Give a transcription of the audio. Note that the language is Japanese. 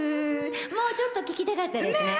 もうちょっと聴きたかったですね。